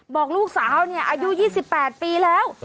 บอกลูกสาวเนี่ยอายุ๒๘ปีแล้ว